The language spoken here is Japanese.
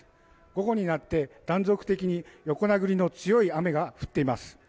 午後になって断続的に横殴りの強い雨が降っています。